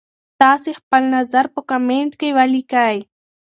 تاسي خپل نظر په کمنټ کي ولیکئ.